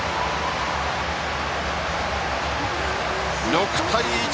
６対１。